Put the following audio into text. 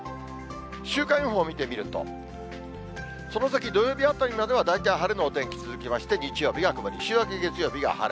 週間予報見てみると、その先土曜日あたりまでは大体晴れのお天気続きまして、日曜日が曇り、週明け月曜日が晴れ。